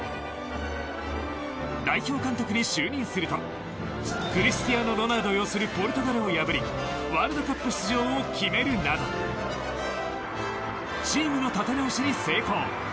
代表監督に就任するとクリスティアーノ・ロナウド擁すポルトガルを破りワールドカップ出場を決めるなどチームの立て直しに成功。